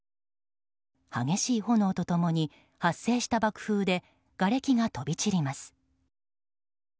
激しい炎と共に発生した爆風でがれきが飛び散ります。